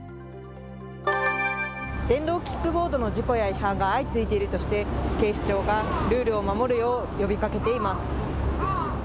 電動キックボードの事故や違反が相次いでいるとして警視庁がルールを守るよう呼びかけています。